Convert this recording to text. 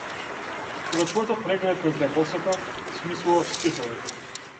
Кога твојата прегратка ќе ја посакав, смислував стихови.